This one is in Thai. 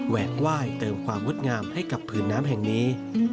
แหวกว่ายเติมความวุฒิงามให้กับผืนน้ำแห่งนี้